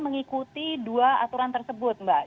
mengikuti dua aturan tersebut mbak